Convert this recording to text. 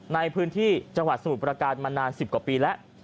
ในพื้นที่จังหวัดสมุทรประการมานาน๑๐กว่าปีแล้ว